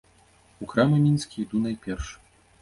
У крамы мінскія іду найперш.